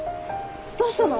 どうしたの？